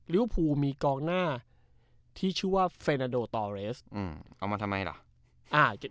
ลิเวอร์พูลมีกองหน้าที่ชื่อว่าเฟนาโดเอามาทำไมหรออ่า